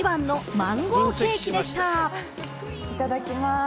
いただきます。